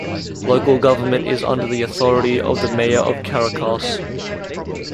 Local government is under the authority of the mayor of Caracas.